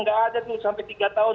nggak ada tuh sampai tiga tahun